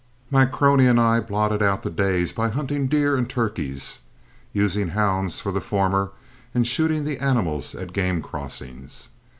My crony and I blotted out the days by hunting deer and turkeys, using hounds for the former and shooting the animals at game crossings.